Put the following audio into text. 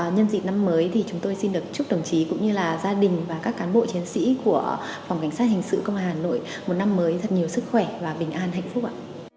nhân dịp năm mới thì chúng tôi xin được chúc đồng chí cũng như là gia đình và các cán bộ chiến sĩ của phòng cảnh sát hình sự công an hà nội một năm mới thật nhiều sức khỏe và bình an hạnh phúc ạ